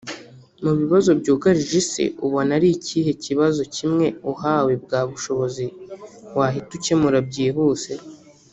Mu bibazo byugarije isi ubona ari ikihe kibazo kimwe uhawe bwa bushobozi wahita ukemura byihuse